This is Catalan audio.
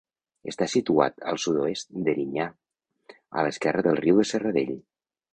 Està situat al sud-oest d'Erinyà, a l'esquerra del riu de Serradell.